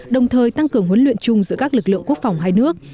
đồng thời tăng cường huấn luyện chung giữa các lực lượng quốc phòng hai nước